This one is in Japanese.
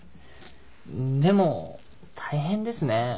でも大変ですね。